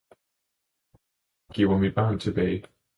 Giv mig mit barn tilbage!